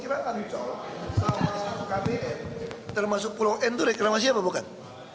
sama kpn termasuk pulau n itu reklamasi apa bukan